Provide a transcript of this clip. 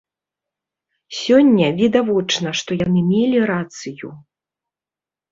Сёння, відавочна, што яны мелі рацыю.